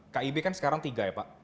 kib kan sekarang tiga ya pak